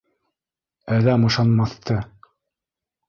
Әҙәм ышанмаҫты!